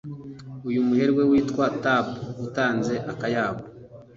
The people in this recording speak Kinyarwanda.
uyu muherwe witwa thabo utunze akayabo